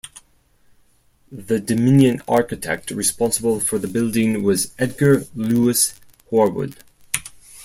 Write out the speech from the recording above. The Dominion Architect responsible for the building was Edgar Lewis Horwood.